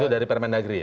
itu dari permendagri ya